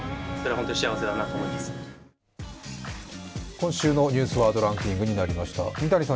今週の「ニュースワードランキング」になりました。